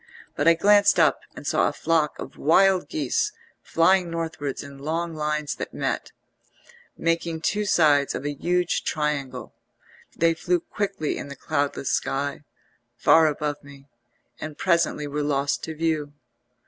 But I glanced up and saw a flock of wild geese flying northwards in long lines that met, making two sides of a huge triangle; they flew quickly in the cloudless sky, far above me, and presently were lost to view.